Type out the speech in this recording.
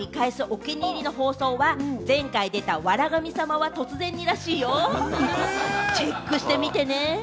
お気に入りの放送は、前回出た『笑神様は突然に』らしいよ！チェックしてみてね！